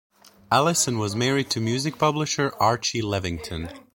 Allison was married to music publisher Archie Levington.